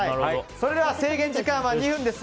それでは、制限時間は２分です。